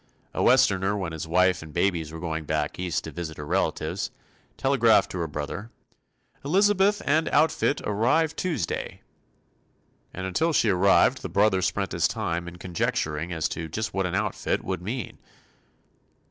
A Westerner when his wife and babies were going back East to visit her relatives, telegraphed to her brother "Elizabeth and outfit arrive Tuesday." And until she arrived the brother spent his time in conjecturing as to just what an "outfit" would mean.